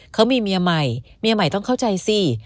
เขามีเมียใหม่เมียใหม่ต้องเข้าใจสิ